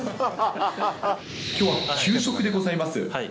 きょうは給食でございます。